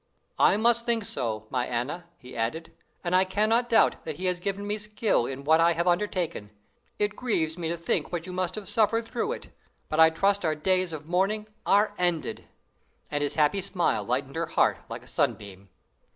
"I must think so, my Anna," he added, "and I cannot doubt that He has given me skill in what I have undertaken. It grieves me to think what you must have suffered through it, but I trust our days of mourning are ended;" and his happy smile lightened her heart like a sunbeam.